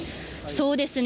そうですね。